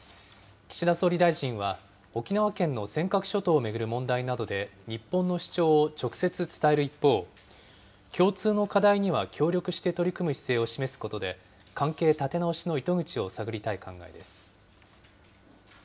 岸田総理大臣は、沖縄県の尖閣諸島を巡る問題などで、日本の主張を直接伝える一方、共通の課題には協力して取り組む姿勢を示すことで、関係立て直しの糸口を探りたい考えです。